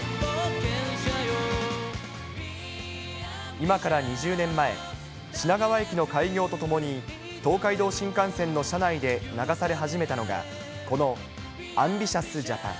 今から２０年前、品川駅の開業とともに東海道新幹線の車内で流され始めたのが、このＡＭＢＩＴＩＯＵＳＪＡＰＡＮ！